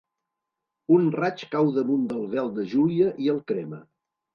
Un raig cau damunt del vel de Júlia i el crema.